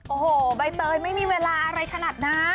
โอ้โหใบเตยไม่มีเวลาอะไรขนาดนั้น